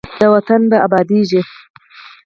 دا وطن به ابادیږي.